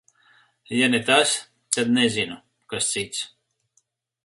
Ja ne tas, tad nezinu, kas cits.